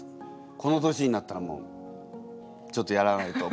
この年になったらもうちょっとやらないと。